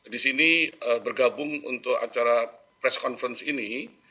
di sini bergabung untuk acara press conference ini